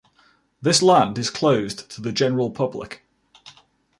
This land is closed to the general public.